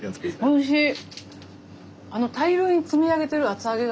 おいしい！